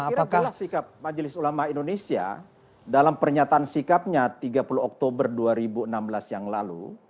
saya kira sikap majelis ulama indonesia dalam pernyataan sikapnya tiga puluh oktober dua ribu enam belas yang lalu